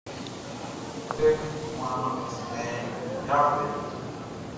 Yalé foué wan divin ya fê.